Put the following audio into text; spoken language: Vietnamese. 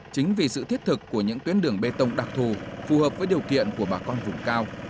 chính vì sự thiết thực của những tuyến đường bê tông đặc thù phù hợp với điều kiện của bà con vùng cao